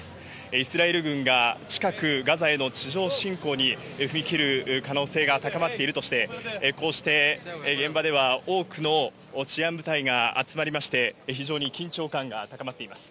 イスラエル軍が近く、ガザへの地上侵攻に踏み切る可能性が高まっているとして、こうして現場では多くの治安部隊が集まりまして、非常に緊張感が高まっています。